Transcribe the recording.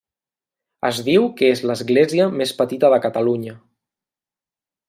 Es diu que és l'església més petita de Catalunya.